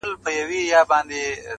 او د ځان سره جنګېږي تل,